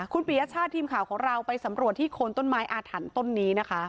คุณปียชาติทีมข่าวของเราไปสำรวจที่โคนต้นไม้อาถรรพ์ต้นนี้นะคะ